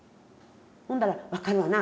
ほんだら「分かるわな。